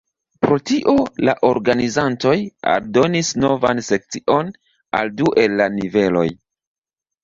Pro tio, la organizantoj aldonis novan sekcion al du el la niveloj.